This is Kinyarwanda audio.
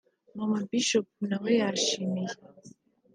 Mama Bishop nawe yashimiye